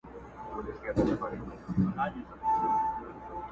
ازموینه کي د عشق برابر راغله.